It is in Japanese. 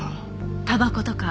たばことか？